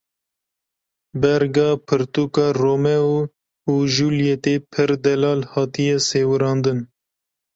Berga pirtûka Romeo û Julîetê pir delal hatiye sêwirandin.